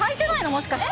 もしかして。